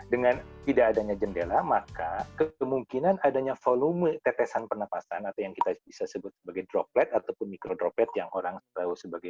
dengan tidak adanya jendela maka kemungkinan adanya volume tetesan pernafasan atau yang kita bisa sebut sebagai droplet atau micro droplet yang orang tahu sebagai aurasola sekarang ini